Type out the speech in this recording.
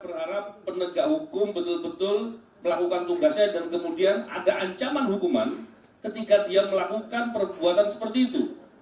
berharap penegak hukum betul betul melakukan tugasnya dan kemudian ada ancaman hukuman ketika dia melakukan perbuatan seperti itu